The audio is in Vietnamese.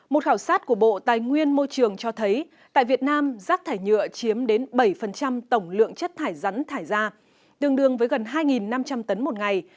một khảo sát của bộ tài nguyên môi trường cho thấy tại việt nam rác thải nhựa chiếm đến bảy tổng lượng chất thải rắn thải ra tương đương với gần hai năm trăm linh tấn một ngày